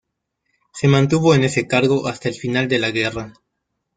Se mantuvo en ese cargo hasta el final de la guerra.